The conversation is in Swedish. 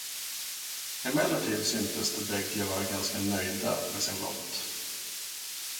Emellertid syntes de bägge vara ganska nöjda med sin lott.